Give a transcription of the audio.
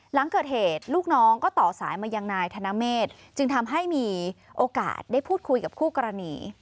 หลังเกิดเหตุลูกน้องก็ต่อสายมายังนายธนเมฆจึงทำให้มีโอกาสได้พูดคุยกับคู่กรณี